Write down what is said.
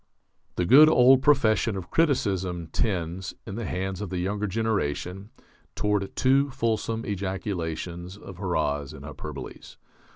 The good old profession of criticism tends, in the hands of the younger generation, toward too fulsome ejaculations of hurrahs and hyperboles.